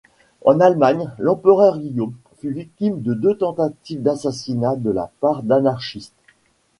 En Allemagne, l'empereur Guillaume fut victime de deux tentatives d'assassinat de la part d'anarchistes.